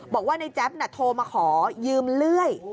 บอกว่าในแจ๊บโทรมาขอยืมเลื่อย